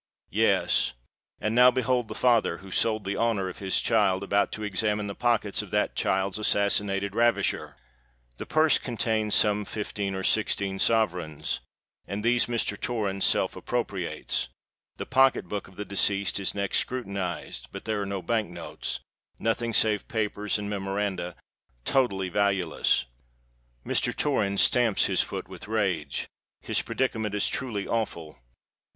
Yes:—and now behold the father, who sold the honour of his child, about to examine the pockets of that child's assassinated ravisher? The purse contains some fifteen or sixteen sovereigns; and these Mr. Torrens self appropriates. The pocket book of the deceased is next scrutinized. But there are no Bank notes—nothing save papers and memoranda, totally valueless. Mr. Torrens stamps his foot with rage:—his predicament is truly awful.